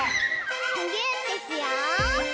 むぎゅーってしよう！